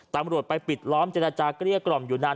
ตำรวจไปปิดล้อมเจรจาเกลี้ยกล่อมอยู่นาน